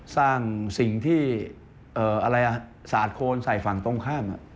สร้างสิ่งที่สาดโคนใส่ฝั่งตรงข้าม